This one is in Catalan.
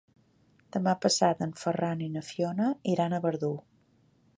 Demà passat en Ferran i na Fiona iran a Verdú.